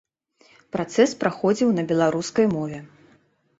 Працэс праходзіў на беларускай мове.